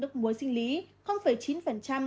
nước muối sinh lý chín